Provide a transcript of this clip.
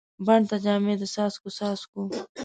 بڼ ته جامې د څاڅکو، څاڅکو